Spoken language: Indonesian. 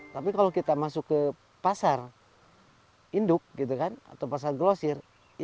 tapi kalau kita masuk ke pasar induk gitu kan atau pasar gelosir itu pasti itu yang terjadi